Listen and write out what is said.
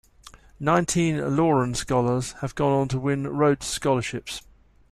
Nineteen Loran Scholars have gone on to win Rhodes Scholarships.